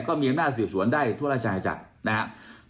ก็มีหน้าสืบสวนได้ทั่วละชายจักรนะครับ